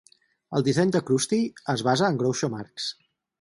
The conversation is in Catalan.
El disseny de Krusty es basa en Groucho Marx.